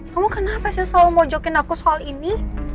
kamu kenapa sih selalu mojokin aku soal ini